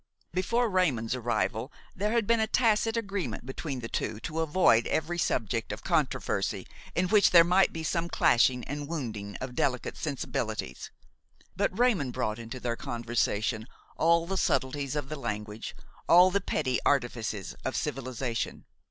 Before Raymon's arrival there had been a tacit agreement between the two to avoid every subject of controversy in which there might be some clashing and wounding of delicate sensibilities. But Raymon brought into their conversation all the subtleties of the language, all the petty artifices of civilization.